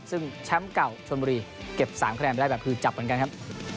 ซึ่งแชมป์เก่าชนบุรีเก็บ๓คะแนนไปได้แบบคือจับเหมือนกันครับ